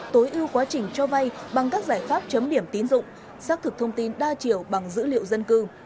tối ưu quá trình cho vay bằng các giải pháp chấm điểm tín dụng xác thực thông tin đa chiều bằng dữ liệu dân cư